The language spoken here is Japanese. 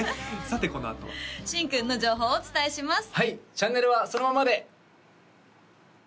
さてこのあとは新君の情報をお伝えします